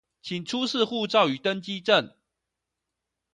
請出示護照與登機證